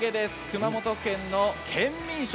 熊本県の県民食。